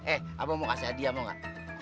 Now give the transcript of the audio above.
eh apa mau kasih hadiah mau gak